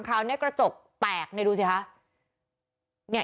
คราวนี้กระจกแตกเนี่ยดูสิคะ